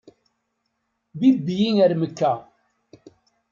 Bibb-iyi ar mekka.